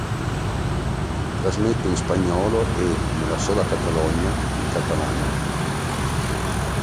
Trasmette in spagnolo e, nella sola Catalogna, in catalano.